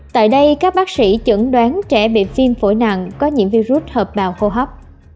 tại đây các bác sĩ chẩn đoán trẻ bị viêm phổi nặng có nhiễm virus hợp bào hô hấp